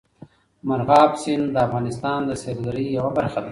مورغاب سیند د افغانستان د سیلګرۍ یوه برخه ده.